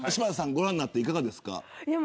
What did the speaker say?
ご覧になっていかがですか。